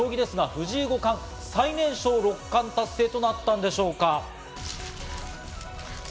藤井五冠、最年少六冠達成となったんでしょうか？